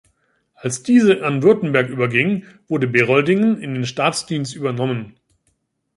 Als diese an Württemberg überging, wurde Beroldingen in den Staatsdienst übernommen.